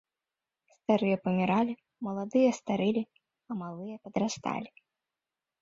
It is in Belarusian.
Старыя паміралі, маладыя старэлі, а малыя падрасталі.